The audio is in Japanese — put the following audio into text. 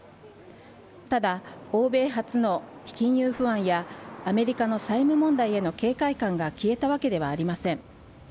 ただ、欧米初の金融不安やアメリカの債務問題への警戒感が消えたわけではありません。